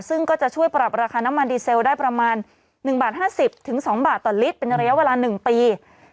ซึ่งก็จะช่วยปรับราคาน้ำมันดีเซลได้ประมาณ๑บาท๕๐๒บาทต่อลิตรเป็นระยะเวลา๑ปี